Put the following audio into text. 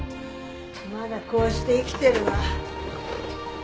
まだこうして生きてるわ。